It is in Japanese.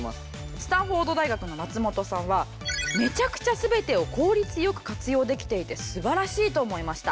スタンフォード大学の松本さんは「めちゃくちゃ全てを効率よく活用できていて素晴らしいと思いました」。